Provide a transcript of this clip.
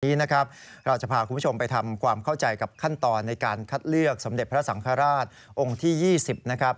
วันนี้นะครับเราจะพาคุณผู้ชมไปทำความเข้าใจกับขั้นตอนในการคัดเลือกสมเด็จพระสังฆราชองค์ที่๒๐นะครับ